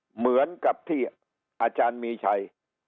เหมือนกับที่อาจารย์มีชัย